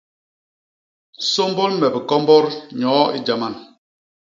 Sômbôl me bikombot nyoo i Jaman!